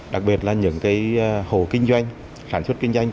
đặc biệt là những hộ kinh doanh sản xuất kinh doanh